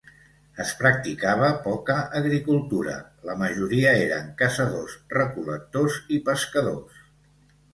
Es practicava poca agricultura; la majoria eren caçadors-recol·lectors i pescadors.